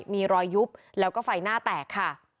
มีรอยยุบแล้วก็ไฟหน้าแตกค่ะ